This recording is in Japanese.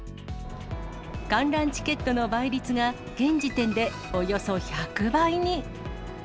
観覧チケットの倍率が現時点でおよそ１００倍に。